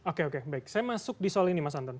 oke oke baik saya masuk di soal ini mas anton